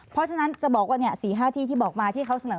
เพราะฉะนั้นจะบอกว่า๔๕ที่ที่บอกมาที่เขาเสนอ